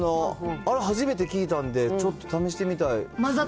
あれ初めて聞いたんで、ちょっと試してみたい。